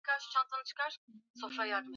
mabadiliko katika sekta mbalimbali